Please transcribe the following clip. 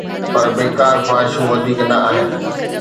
پر بيڪار خواهشون وڌيڪ نه آهن.